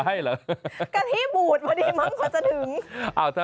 กะทิบูชมาดีมันกว่าจะถึง